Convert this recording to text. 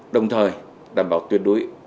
đồng thời đảm bảo tuyệt đối an